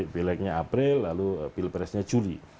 pileknya april lalu pilpresnya juli